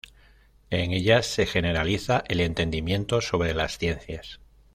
En ellas se generaliza el entendimiento sobre las ciencias.